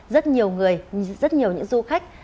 rất nhiều người rất nhiều những du khách